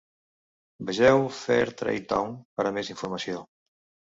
Vegeu Fairtrade Town per a més informació.